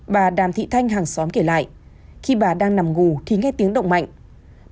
bà đàm thị thanh hàng xóm kể lại khi bà đang nằm ngủ thì nghe tiếng động mạnh